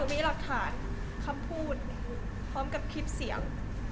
มีหลักฐานคำพูดพร้อมกับคลิปเสียง